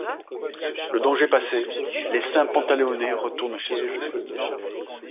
Le danger passé, les Saint-Pantaléonnais retournent chez eux.